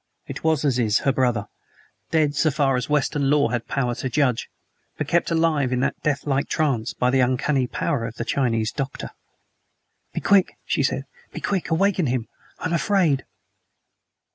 It was Aziz, her brother; dead so far as Western lore had power to judge, but kept alive in that deathlike trance by the uncanny power of the Chinese doctor. "Be quick," she said; "be quick! Awaken him! I am afraid."